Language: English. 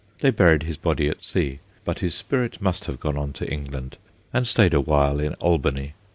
They buried his body at sea, but his spirit must have gone on to England, and stayed awhile in Albany, K.